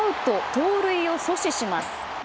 盗塁を阻止します。